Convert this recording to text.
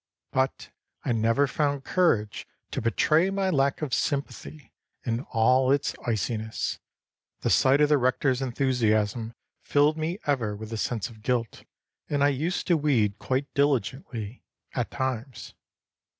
But I never found courage to betray my lack of sympathy in all its iciness. The sight of the rector's enthusiasm filled me ever with a sense of guilt, and I used to weed quite diligently, at times.